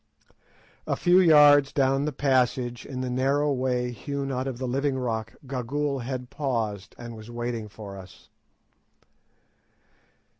A few yards down the passage, in the narrow way hewn out of the living rock, Gagool had paused, and was waiting for us.